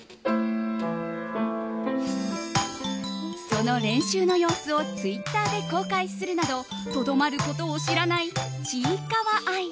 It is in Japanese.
その練習の様子をツイッターで公開するなどとどまることを知らないちいかわ愛。